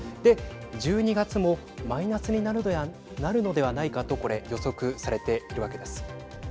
１２月もマイナスになるのではないかとこれ、予測されているわけです。